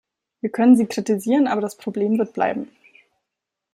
Wir können sie kritisieren, aber das Problem wird bleiben.